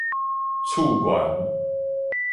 次元